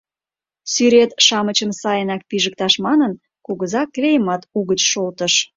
Сӱрет-шамычым сайынак пижыкташ манын, Кугыза клейымат угыч шолтыш.